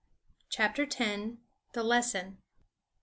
CHAPTER X. THE LESSON.